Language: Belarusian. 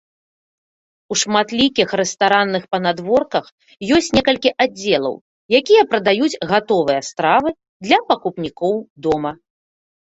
У шматлікіх рэстаранных панадворках ёсць некалькі аддзелаў, якія прадаюць гатовыя стравы для пакупнікоў дома.